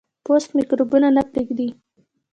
پوست میکروبونه نه پرېږدي.